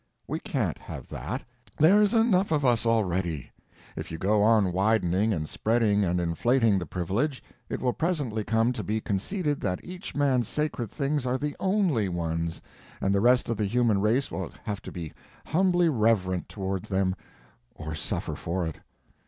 We can't have that: there's enough of us already. If you go on widening and spreading and inflating the privilege, it will presently come to be conceded that each man's sacred things are the only ones, and the rest of the human race will have to be humbly reverent toward them or suffer for it.